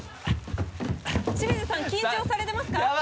清水さん緊張されてますか？